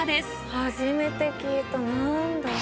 初めて聞いた何だ？